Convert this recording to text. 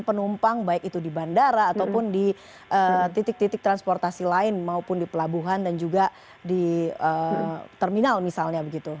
penumpang baik itu di bandara ataupun di titik titik transportasi lain maupun di pelabuhan dan juga di terminal misalnya begitu